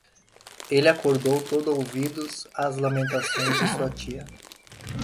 Ele acordou todo ouvidos às lamentações de sua tia